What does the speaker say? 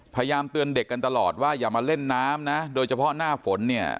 พยายามเตือนเด็กกันตลอดว่าอย่ามาเล่นน้ำนะโดยเฉพาะหน้าฝนเนี่ย